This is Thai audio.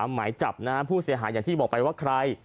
หมายจับนะฮะผู้เสียหายอย่างที่บอกไปว่าใคร